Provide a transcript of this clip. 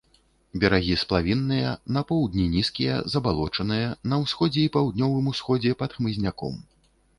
Берагі сплавінныя, на поўдні нізкія, забалочаныя, на ўсходзе і паўднёвым усходзе пад хмызняком.